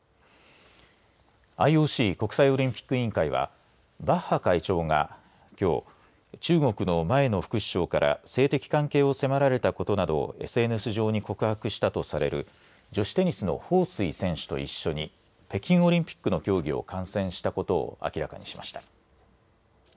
ＩＯＣ国際オリンピック委員会はバッハ会長がきょう中国の前の副首相から性的関係を迫られたことなどをＳＮＳ上に告白したとされる女子テニスの彭帥選手と一緒に北京オリンピックの競技を観戦したことを明らかにしました。